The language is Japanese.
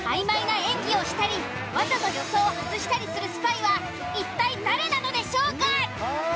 曖昧な演技をしたりわざと予想を外したりするスパイは一体誰なのでしょうか？